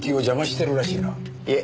いえ